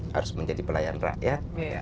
harus menjadi pelayan rakyat